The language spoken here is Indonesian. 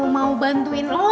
mau bantuin lo